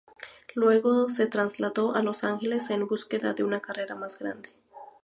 Luego se trasladó a Los Ángeles en búsqueda de una carrera más grande.